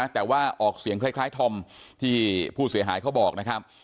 แต่ว่าออกเสียงคล้ายธอมที่ผู้เสียหายเขาบอกนะครับ